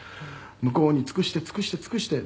「“向こうに尽くして尽くして尽くして”」